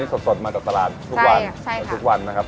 นี่สดมาจากตลาดทุกวันทุกวันนะครับ